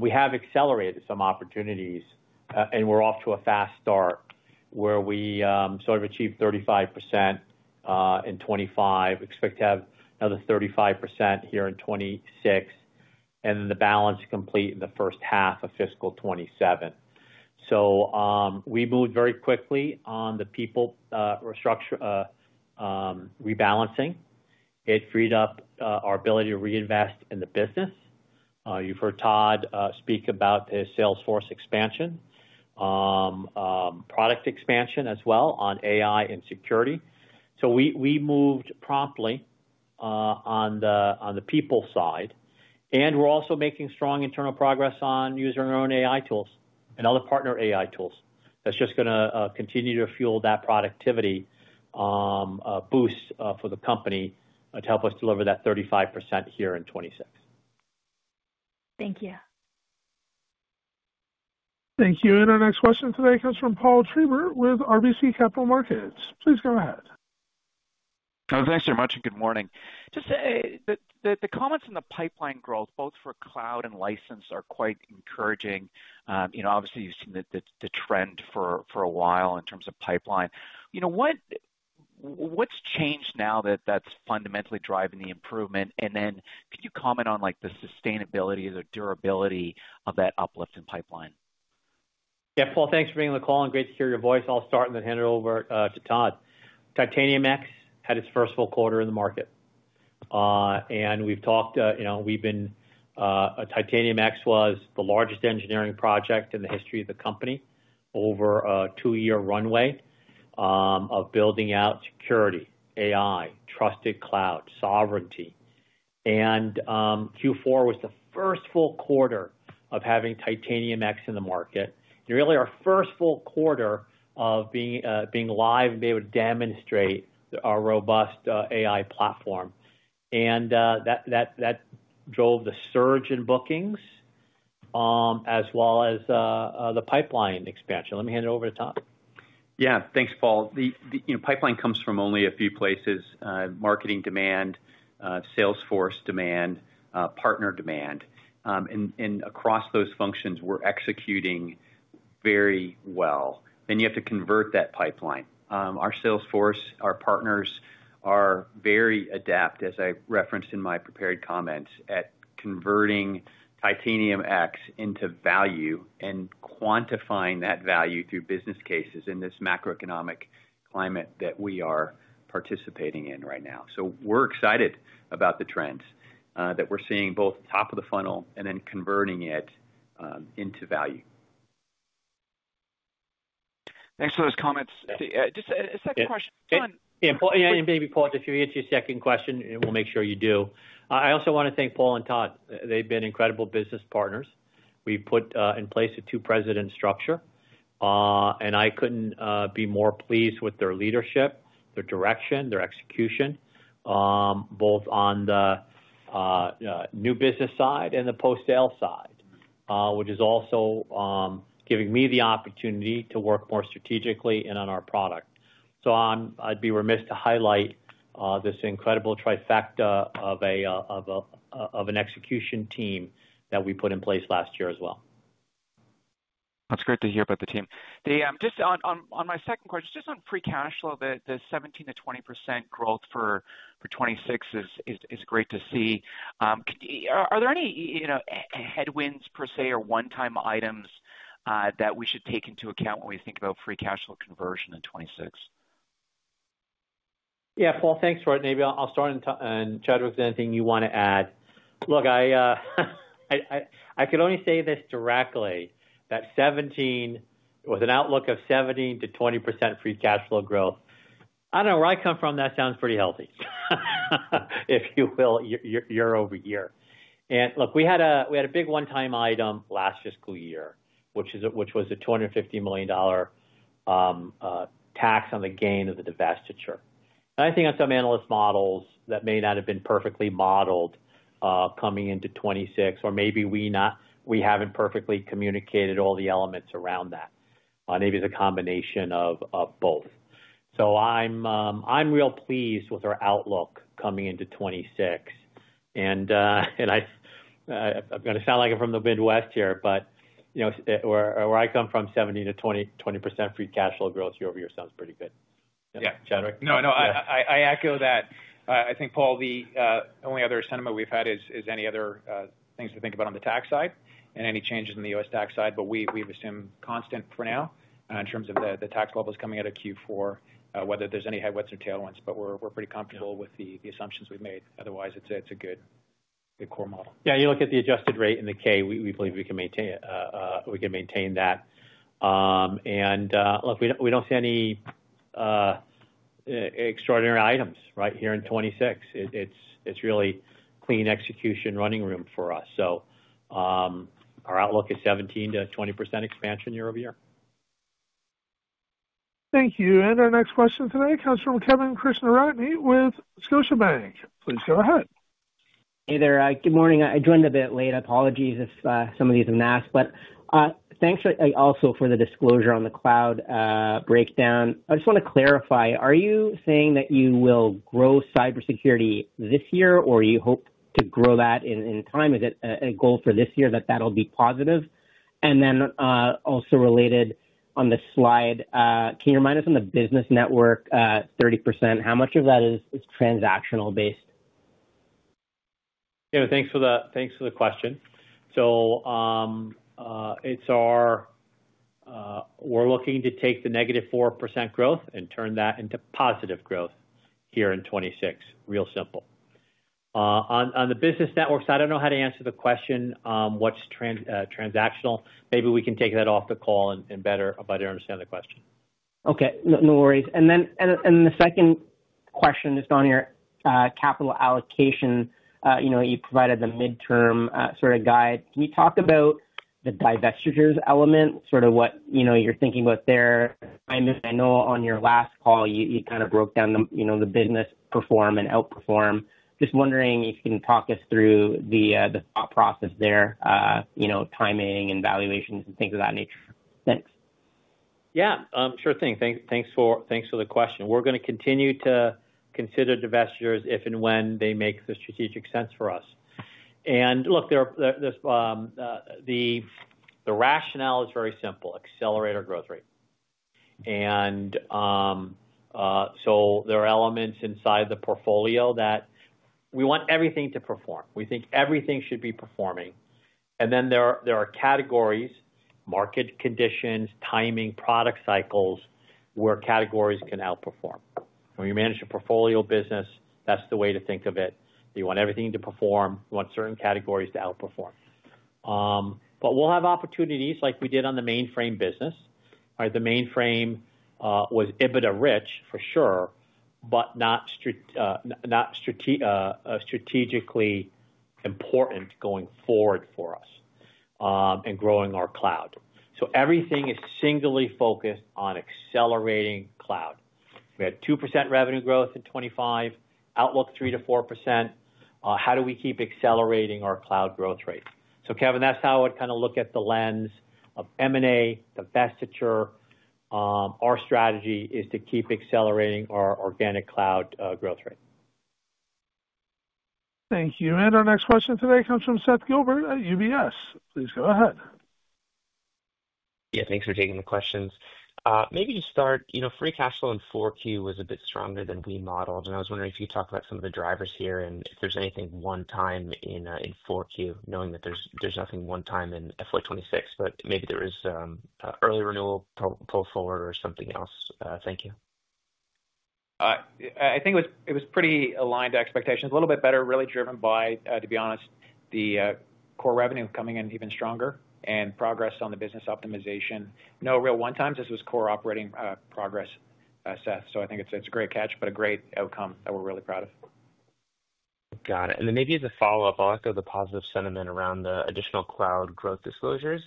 We have accelerated some opportunities, and we're off to a fast start where we sort of achieved 35% in 2025, expect to have another 35% here in 2026, and then the balance complete in the first half of fiscal 2027. We moved very quickly on the people restructuring rebalancing. It freed up our ability to reinvest in the business. You've heard Todd speak about his Salesforce expansion, product expansion as well on AI and security. We moved promptly on the people side, and we're also making strong internal progress on using our own AI tools and other partner AI tools. That's just going to continue to fuel that productivity boost for the company to help us deliver that 35% here in 2026.
Thank you.
Thank you. Our next question today comes from Paul Treiber with RBC Capital Markets. Please go ahead.
Thanks very much, and good morning. The comments on the pipeline growth, both for cloud and license, are quite encouraging. You know, obviously, you've seen the trend for a while in terms of pipeline. What's changed now that's fundamentally driving the improvement? Could you comment on the sustainability or durability of that uplift in pipeline?
Yeah, Paul, thanks for being on the call and great to hear your voice. I'll start and then hand it over to Todd. Titanium X had its first full quarter in the market. We've talked, you know, Titanium X was the largest engineering project in the history of the company over a two-year runway of building out security, AI, trusted cloud, sovereignty. Q4 was the first full quarter of having Titanium X in the market. Really, our first full quarter of being live and being able to demonstrate our robust AI platform. That drove the surge in bookings, as well as the pipeline expansion. Let me hand it over to Todd.
Yeah, thanks, Paul. The pipeline comes from only a few places: marketing demand, Salesforce demand, partner demand. Across those functions, we're executing very well. You have to convert that pipeline. Our Salesforce, our partners are very adept, as I referenced in my prepared comments, at converting Titanium X into value and quantifying that value through business cases in this macroeconomic climate that we are participating in right now. We're excited about the trends that we're seeing both top of the funnel and then converting it into value.
Thanks for those comments. Just a second question.
Maybe Paul, if you answer your second question, we'll make sure you do. I also want to thank Paul and Todd. They've been incredible business partners. We've put in place a two-President structure, and I couldn't be more pleased with their leadership, their direction, their execution, both on the new business side and the post-sale side, which is also giving me the opportunity to work more strategically and on our product. I'd be remiss to highlight this incredible trifecta of an execution team that we put in place last year as well.
That's great to hear about the team. Just on my second question, just on free cash flow, the 17%-20% growth for 2026 is great to see. Are there any headwinds per se or one-time items that we should take into account when we think about free cash flow conversion in 2026?
Yeah, Paul, thanks, Fred. Maybe I'll start, and Chadwick, is there anything you want to add? Look, I could only say this directly that 17%, with an outlook of 17%-20% free cash flow growth, I don't know where I come from, that sounds pretty healthy, if you will, year-over-year. We had a big one-time item last fiscal year, which was a $250 million tax on the gain of the divestiture. I think on some analyst models that may not have been perfectly modeled coming into 2026, or maybe we haven't perfectly communicated all the elements around that. Maybe it's a combination of both. I'm real pleased with our outlook coming into 2026. I'm going to sound like I'm from the Midwest here, but you know, where I come from, 17%-20% free cash flow growth year-over-year sounds pretty good. Yeah, Chadwick?
No, I echo that. I think, Paul, the only other sentiment we've had is any other things to think about on the tax side and any changes in the U.S. tax side, but we've assumed constant for now in terms of the tax levels coming out of Q4, whether there's any headwinds or tailwinds. We're pretty comfortable with the assumptions we've made. Otherwise, it's a good core model.
Yeah, you look at the adjusted rate in the K, we believe we can maintain that. We don't see any extraordinary items, right, here in 2026. It's really clean execution running room for us. Our outlook is 17%-20% expansion year-over-year.
Thank you. Our next question today comes from Kevin Krishnaratne with Scotiabank. Please go ahead.
Hey there, good morning. I joined a bit late. Apologies if some of these are mass, but thanks also for the disclosure on the cloud breakdown. I just want to clarify, are you saying that you will grow cybersecurity this year, or do you hope to grow that in time? Is it a goal for this year that that'll be positive? Also, related on the slide, can you remind us on the business network 30%, how much of that is transactional based?
Thank you for the question. We're looking to take the -4% growth and turn that into positive growth here in 2026, real simple. On the business network side, I don't know how to answer the question, what's transactional. Maybe we can take that off the call and better understand the question.
Okay, no worries. The second question that's gone here, capital allocation, you provided the midterm sort of guide. Can you talk about the divestitures element, sort of what you're thinking about there? I know on your last call, you kind of broke down the business perform and outperform. Just wondering if you can talk us through the thought process there, timing and valuations and things of that nature. Thanks.
Yeah, sure thing. Thanks for the question. We're going to continue to consider divestitures if and when they make the strategic sense for us. The rationale is very simple: accelerate our growth rate. There are elements inside the portfolio that we want everything to perform. We think everything should be performing. There are categories, market conditions, timing, product cycles where categories can outperform. When you manage a portfolio business, that's the way to think of it. You want everything to perform. You want certain categories to outperform. We'll have opportunities like we did on the mainframe business. The mainframe was EBITDA rich for sure, but not strategically important going forward for us and growing our cloud. Everything is singly focused on accelerating cloud. We had 2% revenue growth in 2025, outlook 3%-4%. How do we keep accelerating our cloud growth rate? Kevin, that's how I would kind of look at the lens of M&A, divestiture. Our strategy is to keep accelerating our organic cloud growth rate.
Thank you. Our next question today comes from Seth Gilbert at UBS. Please go ahead.
Yeah, thanks for taking the questions. Maybe to start, you know, free cash flow in 4Q was a bit stronger than we modeled. I was wondering if you could talk about some of the drivers here and if there's anything one-time in 4Q, knowing that there's nothing one-time in FY 2026, but maybe there was an early renewal pull forward or something else. Thank you.
I think it was pretty aligned to expectations, a little bit better, really driven by, to be honest, the core revenue coming in even stronger and progress on the business optimization. No real one-times. This was core operating progress, Seth. I think it's a great catch, but a great outcome that we're really proud of.
Got it. Maybe as a follow-up, I'll echo the positive sentiment around the additional cloud growth disclosures.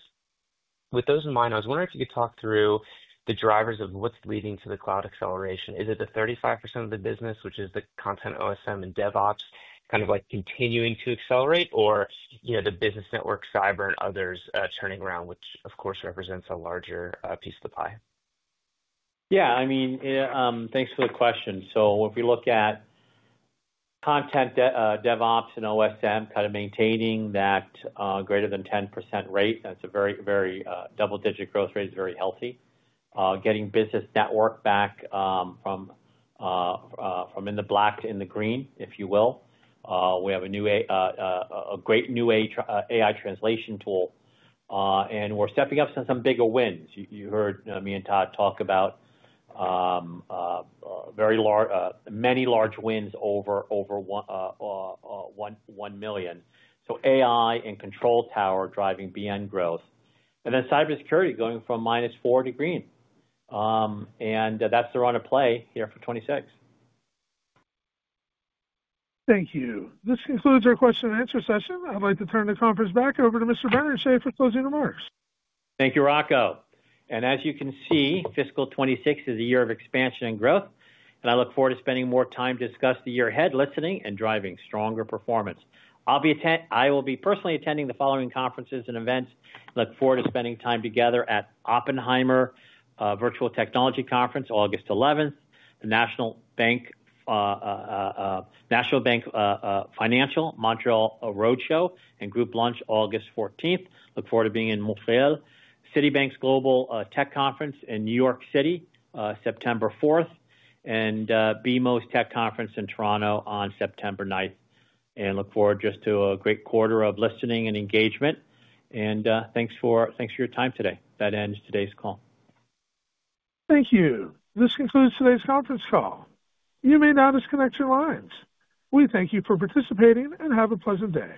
With those in mind, I was wondering if you could talk through the drivers of what's leading to the cloud acceleration. Is it the 35% of the business, which is the Content, OSM, and DevOps, kind of like continuing to accelerate, or the business network, cyber, and others turning around, which of course represents a larger piece of the pie?
Yeah, I mean, thanks for the question. If we look at Content, DevOps, and OSM, kind of maintaining that greater than 10% rate, that's a very, very double-digit growth rate, is very healthy. Getting business network back from in the black to in the green, if you will. We have a great new AI translation tool, and we're stepping up to some bigger wins. You heard me and Todd talk about very large, many large wins over $1 million. AI and control tower driving BN growth, and then cybersecurity going from -4% to green. That's the run of play here for 2026.
Thank you. This concludes our question and answer session. I'd like to turn the conference back over to Mr. Barrenechea for closing remarks.
Thank you, Rocco. As you can see, fiscal 2026 is a year of expansion and growth. I look forward to spending more time to discuss the year ahead, listening, and driving stronger performance. I will be personally attending the following conferences and events. I look forward to spending time together at Oppenheimer Virtual Technology Conference, August 11th, National Bank Financial Montreal Roadshow and group lunch, August 14th. I look forward to being in Montreal. Citibank's Global Tech Conference in New York City, September 4th. BMO's Tech Conference in Toronto on September 9th. I look forward to a great quarter of listening and engagement. Thanks for your time today. That ends today's call.
Thank you. This concludes today's conference call. You may now disconnect your lines. We thank you for participating and have a pleasant day.